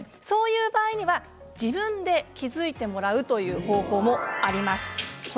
そういう場合には自分で気付いてもらうという方法もあります。